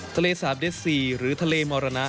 ทะเลสาบเดสซีหรือทะเลมรณะ